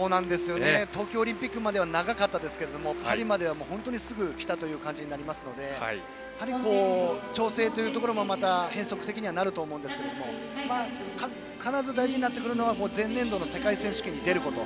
東京オリンピックまでは長かったですけれどもパリまでは本当にすぐ来た感じになりますのでやはり調整というところも変則的になると思いますが必ず大事になってくるのは前年度の世界選手権に出ること。